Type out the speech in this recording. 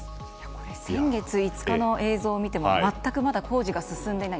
先月５日の映像を見ても全くまだ工事が進んでいない。